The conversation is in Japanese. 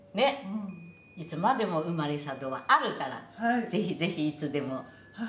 いつまでも生まれ里があるからぜひぜひいつでも。